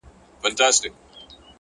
صبر د نامناسب وخت زیان کموي.!